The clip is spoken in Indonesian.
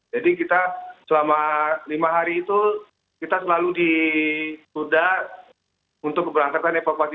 jadi kita selama lima hari itu kita selalu ditunda untuk berantakan evakuasi